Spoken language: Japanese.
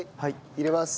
入れます。